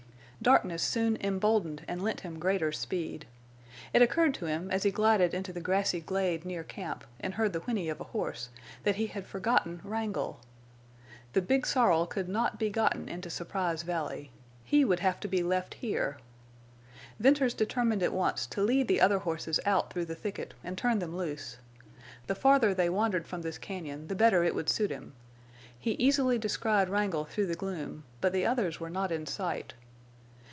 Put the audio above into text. Darkness soon emboldened and lent him greater speed. It occurred to him, as he glided into the grassy glade near camp and head the whinny of a horse, that he had forgotten Wrangle. The big sorrel could not be gotten into Surprise Valley. He would have to be left here. Venters determined at once to lead the other horses out through the thicket and turn them loose. The farther they wandered from this cañon the better it would suit him. He easily descried Wrangle through the gloom, but the others were not in sight.